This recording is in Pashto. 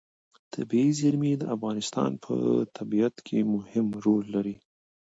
طبیعي زیرمې د افغانستان په طبیعت کې مهم رول لري.